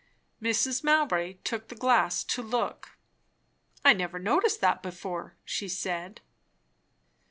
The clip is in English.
Mrs. Mowbray took the glass to look. "I never noticed that before," she said.